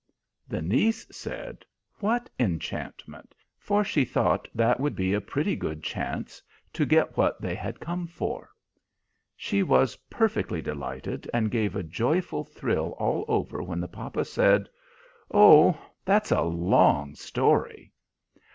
The niece said, "What enchantment?" for she thought that would be a pretty good chance to get what they had come for. She was perfectly delighted, and gave a joyful thrill all over when the papa said, "Oh, that's a long story."